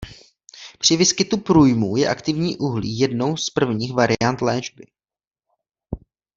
Při výskytu průjmu je aktivní uhlí jednou z prvních variant léčby.